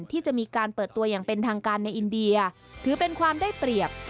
ที่จะมีการเปิดตัวอย่างเป็นทางการในอินเดียถือเป็นความได้เปรียบ